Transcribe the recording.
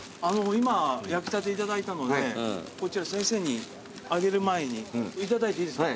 今焼きたて頂いたのでこちら先生にあげる前に頂いていいですか？